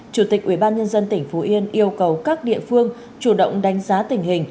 chủ tịch ubnd tỉnh phú yên yêu cầu các địa phương chủ động đánh giá tình hình